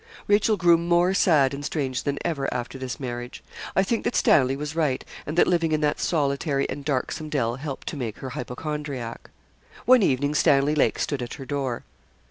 Rachel grew more sad and strange than ever after this marriage. I think that Stanley was right, and that living in that solitary and darksome dell helped to make her hypochondriac. One evening Stanley Lake stood at her door.